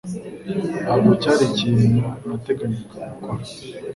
Ntabwo cyari ikintu nateganyaga gukora